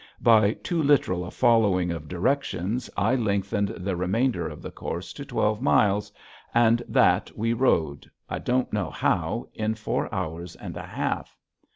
By too literal a following of directions I lengthened the remainder of the course to twelve miles, and that we rowed, I don't know how, in four hours and a half.